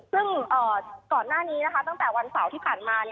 ซึ่งก่อนหน้านี้ตั้งแต่วันเสาร์ที่ผ่านมา